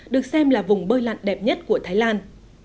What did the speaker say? được xem là vùng bơi lặn đẹp nhất của thái lan